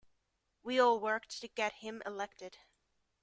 We all worked to get him elected.